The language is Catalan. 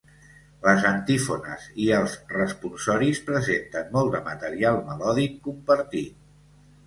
Les antífones i els responsoris presenten molt de material melòdic compartit.